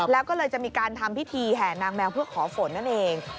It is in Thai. แล้วก็เลยจะมีการทำพิธีแห่นางแมวเพื่อขอฝนนั่นเอง